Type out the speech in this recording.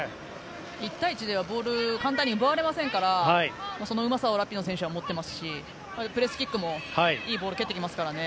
１対１ではボール簡単に奪われませんからそのうまさをラピノ選手は持っていますしプレスキックもいいボール蹴ってますからね。